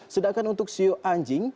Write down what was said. sedangkan untuk siu anjing